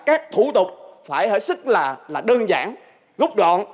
các thủ tục phải hở sức là đơn giản gốc gọn